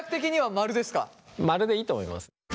「〇」でいいと思います。